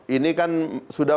ini kan sudah